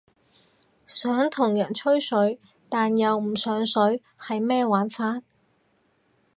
想同人吹水但又唔上水係咩玩法？